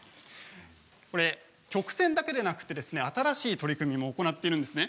直線だけでなく新しい取り組みも行っているんですね。